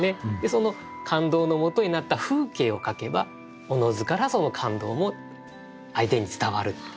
その感動のもとになった風景を書けばおのずからその感動も相手に伝わる。